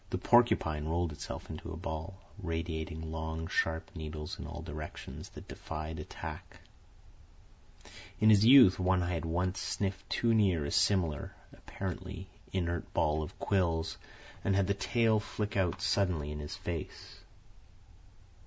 The porcupine rolled itself into a ball, radiating long, sharp needles in all directions that defied attack. In his youth One Eye had once sniffed too near a similar, apparently inert ball of quills, and had the tail flick out suddenly in his face.